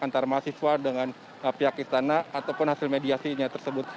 antara mahasiswa dengan pihak istana ataupun hasil mediasinya tersebut